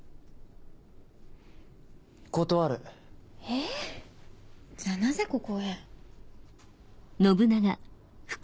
えじゃあなぜここへ？